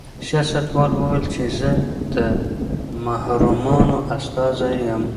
سیاستوال وویل چې زه د محرومانو استازی یم.